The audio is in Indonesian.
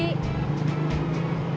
temennya cewek apa cowok